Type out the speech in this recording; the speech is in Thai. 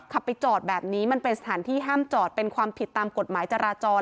ขับไปจอดแบบนี้มันเป็นสถานที่ห้ามจอดเป็นความผิดตามกฎหมายจราจร